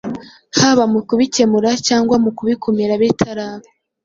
Haba mu ku bikemura cyangwa no mu kubikumira bitaraba.